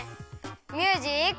ミュージック。